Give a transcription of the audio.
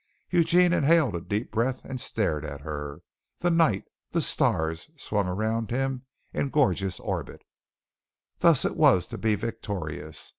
Eugene inhaled a deep breath and stared at her. The night, the stars swung around him in a gorgeous orbit. Thus it was to be victorious.